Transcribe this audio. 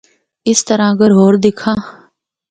اس طرح اگر ہور دِکھّاں۔